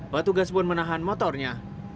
petugas pun menahan motornya